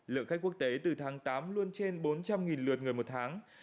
lượng khách quốc tế từ tháng tám luôn trên bốn trăm linh lượt người một tháng